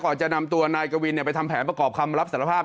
จะนำตัวนายกวินไปทำแผนประกอบคำรับสารภาพ